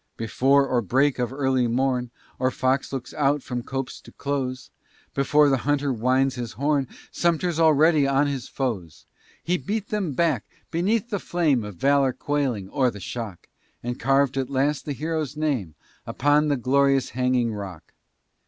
Before or break of early morn, Or fox looks out from copse to close, Before the hunter winds his horn. Sumter's already on his foes! He beat them back! beneath the flame Of valor quailing, or the shock! And carved, at last, a hero's name Upon the glorious Hanging Rock!